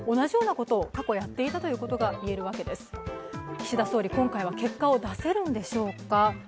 岸田総理、今回は結果を出せるんでしょうか。